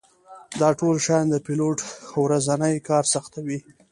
دا ټول شیان د پیلوټ ورځنی کار سختوي